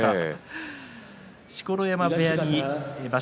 錣山部屋に場所